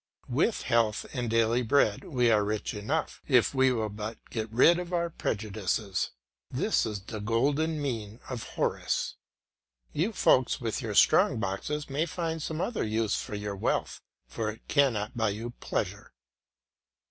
With health and daily bread we are rich enough, if we will but get rid of our prejudices; this is the "Golden Mean" of Horace. You folks with your strong boxes may find some other use for your wealth, for it cannot buy you pleasure.